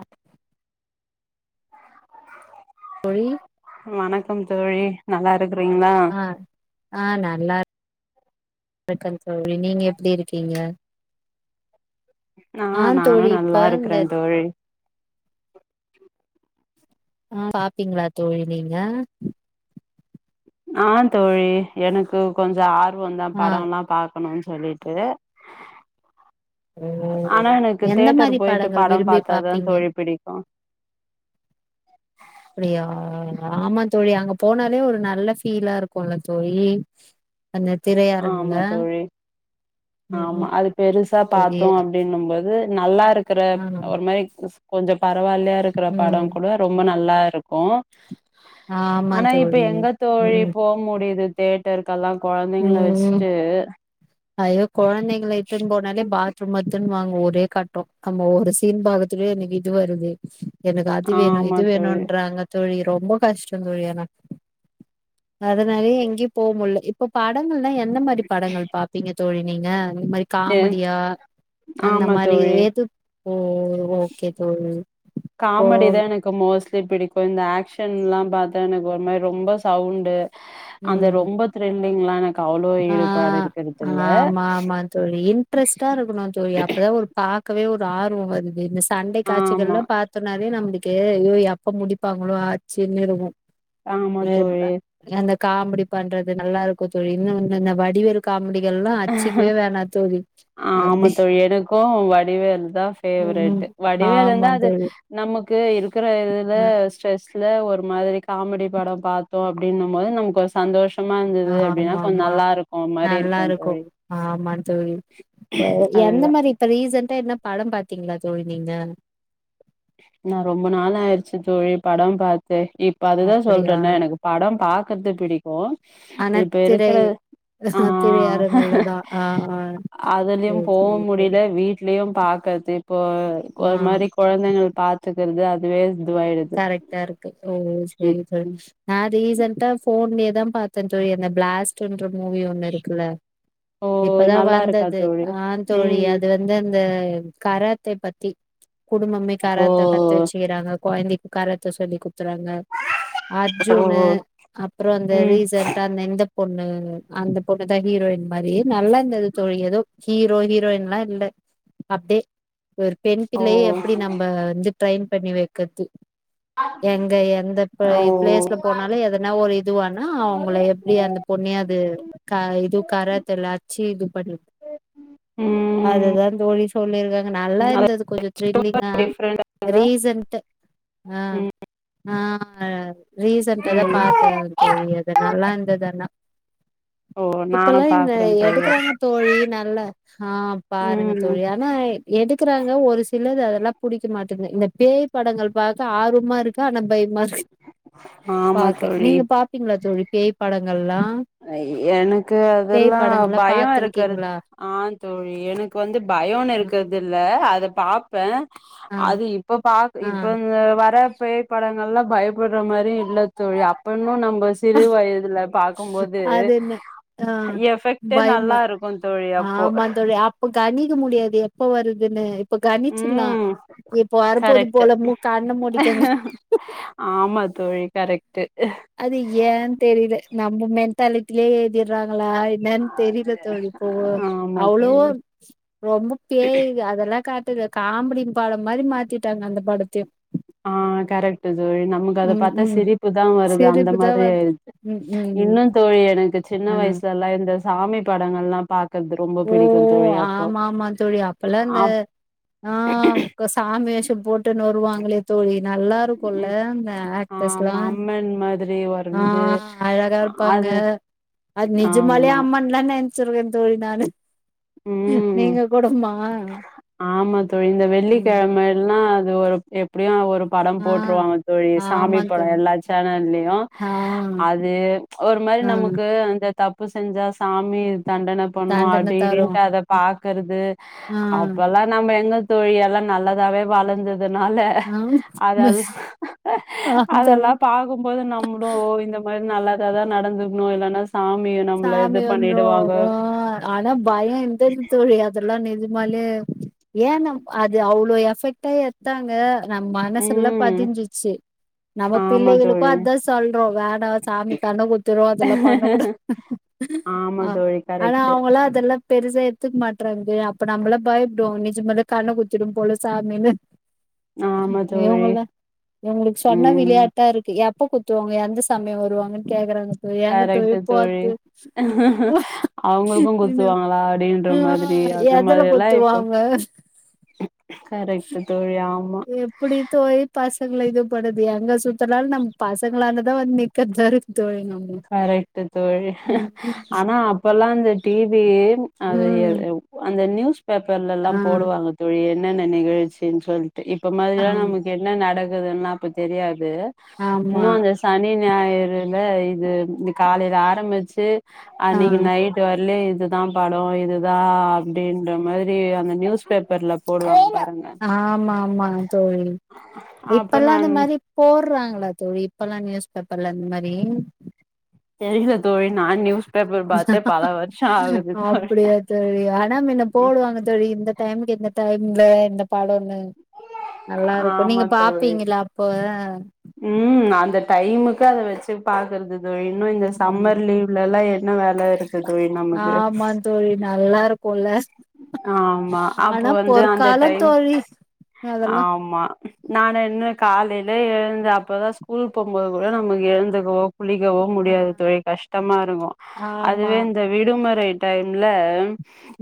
அ தோழி வணக்கம் தோழி நல்லா இருக்கறீங்ளா ஆ அ நல்லார்ருக்கன் தோழி நீங்க எப்டி இருக்கீங்க ஆ நானு தோழி இப்ப நல்லா இந்த இருக்கறன் தோழி ஆ பாப்பீங்ளா தோழி நீங்க ஆ தோழி எனக்கு கொஞ்சோ ஆர்வோந்தா ஆ படோல்லா பா க்கணுனு சொல்லிட்டு ஓ ஆனா எனக்கு எந்த தேட்டர் மாரி போயிட்டு படங்கள் படம் விரும்பி பார்த்தா தா பாப்பீங்க தோழி பிடிக்கு அப்டியா ஆமா தோழி அங்க போனாலே ஒரு நல்ல ஃபீலா இருக்குல்ல தோழி வந்து ஆமா தோழி ம் ஆமா ம் அது பெருசா தோழி பாத்தோ ப்டினும் போது நல்லா இருக்குற ஆ ஒரு மாரி க் கொஞ்ச பரவா இல்லையா இருக்குற பட ம் கூட ரொம்ப நல்லா இருக்கு ஆமா ஆனா இப்ப தோழி எங்க தோழி ம் போ முடியுது தேட்டர்க்கெல்லா கொழ ம் ஐயோ கொழந்தைங்கள இட்டுன் போனாலே பாத்ரூம் வர்துன்னு வாங்கோ ஒரே கட்டோ நம்ம ஒரு சீன் பாக்க துவே எனக்கு இது வருது எனக்கு அது வேணு ஆமா இது தோழி வேணுன்றாங்க தோழி ரொம்ப கஷ்டொந்தோழி ஆனா அதனாலே எங்கயு போமுல்ல இப் போ படங்கள்லா என்ன மாரி படங்கள் பாப்பீங்க தோழி நீங்க இந்த மாரி ஏ காமெடியா அந்த ஆமா மாரி தோழி ஏது ஓ ஓகே தோழி இப்போ காமடி தா எனக் கு மோஸ்ட்லி பிடிக்கு இந்த ஆக்ஷன்லா பாத்தா எனக்கு ஒரு மாரி ரொம்ப சவுண்டு அந்த ம் ரொம்ப த்ரில்லிங்லா எனக்கு அவ்ளோ ஆ ஈடுபாடு இருக்குறதில்ல ஆமா ஆமா தோழி இன்ட்ரஸ்டா இருக்கனு தோழி அப்பதா ஒரு பாக்கவே ஒரு ஆர்வோ வருது இந்தச் சண்டை ஆமா காச்சிகள்லா பாத்தோனாவே நம்ளுக்கு ஐயோ எப்ப முடிப்பாங்களோ ஆச்சுன்னு இருக்கு ஆமா ம் தோழி அந்த காமெடி பண்றது நல்லா இருக்கு தோழி இன்னு வந்து இந்த வடிவேலு காமெடிகள்லா அச்சுக்கவே வேணா தோழி ஆமா அப்டி தோழி எனக்கு வடிவேல் தா ஃபேவ்ரட் ம் வடிவேல் ஆமா இருந்தா அது தோழி நமக்கு இருக்குற இதுல ஸ்ட்ரெஸ்ல ஒரு மாதிரி காமெடி படோ பாத்தோ அப்டின்னும்போது நமக்கு ஒரு சந்தோஷமா இந்தது அப்டின்னா ஆமா கொஞ்ச ஆமா நல்லா இருக்கு மாரி இருக்கு தோழி ஆமா தோழி அ எந்த அதுதா மாரி இப்ப ரீசன்டா என்னா பட பாத்தீங்களா தோழி நீங்க நா ரொம்ப நாள் ஆயிடுச்சு தோழி பட பாத்தே இப்ப அதுதா அப்படியா சொல்றன்னே எனக்கு பட பாக் கர்து பிடிக்கு இப்ப இருக்குற அனத்திரை ஆ திரையரங்கல்லதா ஆ ஆ அதுலயு சேரி போவ சேரி சேரி முடியில வீ ட்லயு பாக்கறது இப்போ ஆ ஒரு மாரி கொழந்தைங்கள் பாத்துக்குறது அதுவே இதுவாயிடுது கரெக்டா இருக்கு ஓ ம் சேரி சேரி ம் நா ரீசண்டா ஃபோன்லேயேதா பா துன்ருக்கே இந்த பிளாஸ் டுன்ற மூவி ஒன்னு இருக்குல ஓ இப்பதா நல்லா இருக்கா வந்தது தோழி ஆ தோழி ம் அது ந்து அந்த கராத்தே பத்தி குடும்பமே ஓ கராத்த கத்து வெச்சுக்குறாங்க கொழந்தை காரத்த சொல்லி குத்துறாங்க ஓ அர்ஜுனு அப்பற அந்த ம் ரீசன்டா அந்த இந்தப் பொண்ணு அந்த பொண்ணுதா ஹீரோயின் மாரியே நல்லா இந்தது தோழி எதோ ஹீரோ ஹீரோயின்லா இல்ல அப்டே ஒரு பெண் ஓ பிள்ளைய எப்டி நம்ப வந்து ட்ரைன் பண்ணி வைக்கர்து எங்க ஓ எந்தப்போய் பிளேஸ்ல போனாலு எதனா ஒரு இதுவானா அவங்கள எப்டி அந்த பொண்ணே அது கா இது கராத்தெல்ல அச்சு இது பண்ணு ம் அதுதா தோழி சொல்லி இருக்காங்க நல்லா அது இருந்தது கொஞ்ச த்ரில்லிங்கா டிஃப்ரெண்டா ரீசன்ட்டு ஆ ம் ஆ ரீசன்டாதா ம் பா தே ஒரு தோழி அது நல்லா இருந்தது ஆனா ஓ நானு இப்பல்லா இந்த பாக்குறே தோழி எடுக்குறாங்க தோழி நல்ல ஹா பாருங்க ம் தோழி னா எடுக்குறாங்க ஒரு சிலரு அதெல்லா புடிக்க மாட்டுது இந்த பேய் படங்கள் பாக்க ஆர்வமாருக் கு ஆனா பயமாருக்கு ஆமா பாக்க நீங்க பாப்பீங்ளா தோழி பேய்ப் படங்கள் எ எனக்கு அதெல்லா படங்கள்லா பயோ இருக்கறத் பாத்துருக்கீங்களா ஆ தோழி எனக்கு வந்து பயோன்னு இருக்கிறதில்ல அத பாப்பே ஆ அது இப்ப பாக்கு ஆ இப்ப இந்த வரப் பேய்ப் படங்கள்லா பயப்படுற மாரி இல்ல தோழி அப்பன்னு நம்ப சிறு வயதுலப் அதென்ன ஆ எஃபெக்ட்டே நல்லா பயமா இருக்கு தோழி அப்போ ஆமாந்தோழ் ழி அப்ப கணிக்க முடியாது எப்ப வருதுன்னு இப் இப்ப கனிச்சில்லா ம் இப்போ வரபோது கரெக்ட் போல மூக் கண்ண மூடிக்கங்க ஆமா தோழி கரெக்ட்டு அது ஏன் தெரியல நம்ம மெண்டலிட் ட்டிலே எழுதிறாங்களா என்னன்னு தெரியல தோழி இப்போவு ஆமா அவ்ளோ தோழி ரொம்ப பேய் இது அதெல்லா காட்டுல காமெடிம் பாடம் மாரி மாத்திட்டாங்க அந்த பாடத்தையு ஆ கரெக்ட்டு தோழி நமக்கு அத ம் பாத்தா ம் சிரிப்பு தா வருது அந்த சிரிப்புதா மாரி வருது ஆயிடுச் ம் ம் இன்னு தோழி எனக்கு ஆ சின்ன வயசுல எல்லா இந்த சாமி படங்கள்லா பாத் க்குறது ரொம்ப ஓ பிடிக்கு தோழி அப்போ ஆமா ஆமா தோழி அப்பல்லா இந்த ஆப் ஆ இப்ப சாமி வேஷோ போட்டுன்னு வருவாங்களே தோழி நல்லா இருக்குல்ல ம் இந்த ஆக்டர்ஸ்லா ஆமா அம்மன் மாதிரி ஆ வர்ந்து அழகா இருப்பாங்க அது அது நிஜமலே ஆமா அம்மன்லா நெனச்சிருக்வே தோழி நானு ம் நீங்க குடம்மா ஆமா தோழி இந்த வெள்ளிக்கெழம எல்லா அது ஒருப் எப்டியு ஒருப் படம் ஆ போட்ருவாங்க தோழி சாமி ஆமா படோ தோழி எல்லா சேனல்லயு ஆ அது ம்ச் ஒரு மாரி ஆ நமக்கு அந்த தப்பு செஞ்சா சாமி தண்டனப் பண்ணோ தாண்டன அடி தரு இடின்ட்டு அத பாக்கறது ஆ எல்லா நம்ம எங்க தோழி எல்லா நல்லதாவே வாழ்ந்ததுனால ஆ ஆ அதெல்லா ஆ தோழி அதெல்லாப் பாக்கும்போது நம்முடு ஓ இந்த மாரி நல்லதாதா நடந்துர்க்கணு இல்லன்னா சாமி வந் சாமி வந்துரு ஆ ஆனா பயோ இந்தன் தோழி அத் இதெல்லா நிஜமாலே ம்ச் ஏன்னா அது அவ்ளோ எஃபெக்ட்டா எத்தாங்க நம் மனசுல்ல ம் பதிஞ்சிச்சு நம்ம ஆமா பிள்ளைகளுக்கு தோழி அததா சொல்றோ வேணா சாமி கண்ண குத்திரு அதெல்லா பண்ண கூடாத் ஆமா ஆ தோழி ஆனா கரெக்ட்டு அவங்கள்லா இதெல்லா பெருசா எத்துக்க மாட்றாங்கது அப்ப நம்மள பயப்படுவோ நிஜமலே கண்ண குத்திடும் போல சாமின்னு ஆமா தோழி இவங்களா இவங்களுக்கு சொன்ன ம் விளையாட்டா இருக்கு யாப் ப்ப குத்துவாங்க எந்த சாமி வருவாங்கன்னு கேக்குறாங்க தோழி ஏங்கத் கரெக்ட்டு தோழிப் தோழி பாத்து அவங்களுக்கும் இன்னு குத்துவாங்களா அப்டின்ற ஆ மாதிரி அந்த எதல மாதிரில்லா பொத்து இப்போ வாங் வ கரெக்ட்டு தோழி ஆம் எப்புடி தோயி பசங்கள இது படுது எங்க சுத்தினாலு நம்ம பசங்களாலதா வந்து நிக்கர் தருக் தோழி [unintelligible] க் கரெக்ட்டு தோழி ம் ஆனா அப்பல்லா இந்த டிவி அது எ ம் எம் அந்த நியூஸ் பேப்பர்ல எல்லா ஆ போடுவாங்க தோழி என்னென்ன நிகழ்ச்சின் சொல்ட்டு இப்ப ஆமா மாதிரியான முக் என்ன நடக்குதுன்லா அப்ப தெரியாது ஆமா இன்னு அந்த சனி ஞாயிறுல இத் இது இன்னிக்கு காலையில ஆரம்மிச்சு ஆ அன்னைக்கு நைட் பியார்ளே இது தா படோ இதுதா அப்டின்ற மாதிரி அந்த நியூஸ் பேப்பர்ல போடுவாங்க பாருங்க ஆனா ஆமா ஆமா தோழி அப்ப இப்பெல்லா அந்த நான் மாரி போடுறாங்களா தோழி இப்பல்லா நியூஸ் பேப்பர்ல அந்த மாரி தெரில தோழி நா நியூஸ் பேப்பர் பாத்தே பல வருஷம் ஆகுது அப்டியா தோழி ஆனா மின்ன போடுவாங்க தோழி இந்த டைமுக்கு எந்த டைம்ல இந்த படம்னு நல்லா இருக்கு ஆமா நீங்க தோழி பாப்பீங்களா அப்ப ம் அந்த டைமுக்கு அத வச்சு பாக்குறது தோழி இன்னு இந்த ம் சம்மர் லீ் வ் லலா என்ன வேல இருக்கு தோழி நமக்கு ஆமா தோழி நல்லா இருக்குல்ல ஆமா அப்ப ஆனா வந்து அந்த பொற்காலோ டைம் தோழி அதெல்லா ஆமா நானு என்ன காலைல எழுந்து அப்போதா ஸ்கூல் போகுபோது கூட நமக்கு எழுந்துக்குவோ குளிக்கவோ முடியாது தோழி கஷ்டமா இருக்கு ஆமா அதுவே இந்த விடுமுறை டைம்ல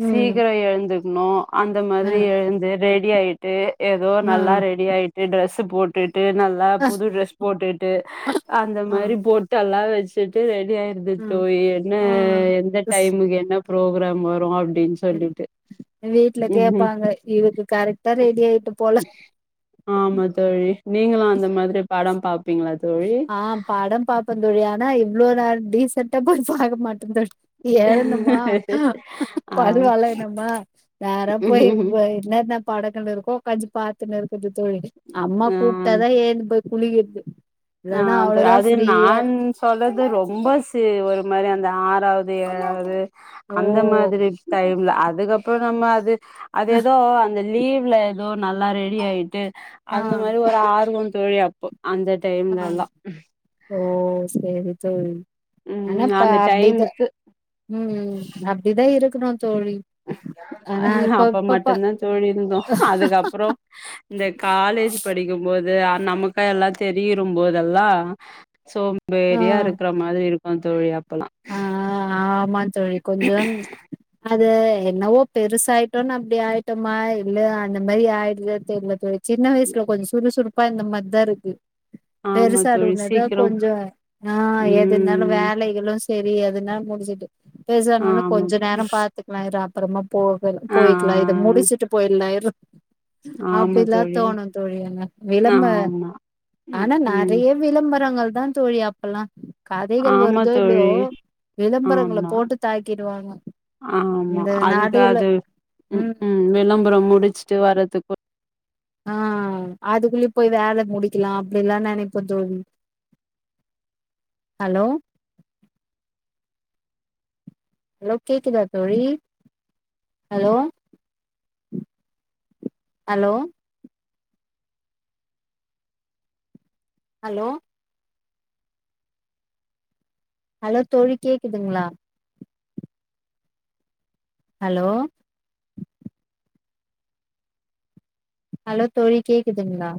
ம் சீக்கிர எழுந்துக்கணு அந்த மாதிரி ம் எழுந்து ரெடி ஆயிட்டு ஏதோ நல்லா ம் ரெடி ஆயி டு ட்ரெஸ் போட்டுட்டு நல்லா அ புது ட்ரெஸ் போட்டுட்டு அந்த ம் மாரி போ டல்லா வச்சுட்டு ரெடி ஆயிருது ம் தோழி என்ன ஆ எந்த டைமுக்கு என்ன ப்ரோக்ராம் வரும் அ எ வீட்ல கேப்பாங்க இதுக்கு கரெக்டா ரெடி ஆயிட்ட போல ஆமா தோழி நீங்களு அந்த மாதிரி படம் பாப்பீங்களா தோழி ஆ படம் பாப்பேன் தோழி ஆனா இவ்ளோ நாள் டீசண்டா போய் பாக்க மாட்டே தோழி எழுந்தமா ஆ பல்வெலக்குனமா நேரா போயி என்னன படக்கன்டு இருக்கோ கொஞ்ச பாத்துன்னு இருக்குது தோழி அம்மா ஆ கூப்பிட்டாதா ஏந்து போய் குழி இருக்கு ஆ அது அது நான் சொல்றது ரொம்ப சி ஒரு மாதிரி அந்த ஆறாவது ஏழாவது ஓ அந்த மாதிரி டைம்ல அதுக்கப்புற நம்ம அது அது ஏதோ அந்த லீவ்ல ஏதோ நல்லா ரெடி ஆயிட்டு ஆ அந்த மாரி ஒரு ஆர்வோ தோழி அப்போ அந்த ஆ டைம்லல்லா ஓ சேரி தோழி ஆனா ம் இப்ப அந்த அப்டிதா டைமுக்கு ம் ம் அப்டிதா இருக்கணு தோழி ஆனா இப்ப அப்ப இப்பப்ப மட்டுந்தா தோழி இருந்தோ அதுக்கப்புற இந்த காலேஜ் படிக்கும் போது அ நமக்கு எல்லா தெரியுரும் போதெல்லா ஆ சோம்பேறியா இருக்கற மாதிரி இருக்கா தோழி அப் ஆ ஆமா தோழி கொஞ்சம் அது என்னவோ பெருசாயிட்டோனு அப்டி ஆயிட்டோமா இல்ல அந்த மாரி ஆய்டுதா தெரில தோழி சின்ன வயசுல கொஞ்ச சுறுசுறுப்பா இருந்த மாரி தா இருக்கு ஆமா தோழி பெருசாடுனதா சீக்கிரம் கொஞ்ச ஆ எதுனாலு ம் வேலைகளு தெரியாதுனா முடிச்சுட்டு பெருஸ் ஆன ஒட்ன ஆமா கொஞ்ச நேர தோழி பாத்துக்கலாம் இரு அப்புறமா போக ஆ போயிக்கலா இத முடிச்சுட்டு போயிடலா இரு ஆமா அப்டில்லா தோழி தோணு தோழி என்ன விளம்ப ஆமா ம் ஆனா ம் நெறய விளம்பரங்கள் தா தோழி அப்பல்லா கதைகள் ஆமா வருதோ லயோ தோழி விளம்பரங்கள ஆமா போட்டு தாக்கிடுவாங்க ஆமா இந்த அதுக்கு நடுவுல அது ம் விளம்பரம் முடிச்சுட்டு வர்றதுக்கு ஆ அதுக்குள்ளய போ வேல முடிக்கலா அப்டில்லா நினப்போ தோழி ஹலோ ஹலோ கேக்குதா தோழி ஹலோ ஹலோ ஹலோ ஹலோ தோழி கேக்குதுங்ளா ஹலோ ஹலோ தோழி கேக்குதுங்ளா